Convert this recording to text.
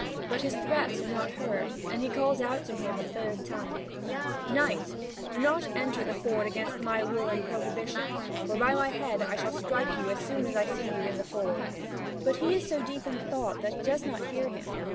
But his threats are not heard, and he calls out to him a third time: "Knight, do not enter the ford against my will and prohibition; for, by my head, I shall strike you as soon as I see you in the ford." But he is so deep in thought that he does not hear him.